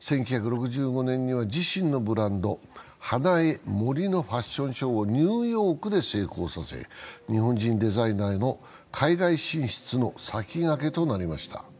１９６５年には自身のブランド、ハナエ・モリのファッションショーをニューヨークで成功させ日本人デザイナーの海外進出の先駆けとなりました。